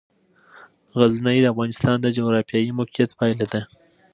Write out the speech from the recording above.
غزني د افغانستان د جغرافیایي موقیعت پایله ده.